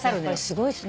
すごい。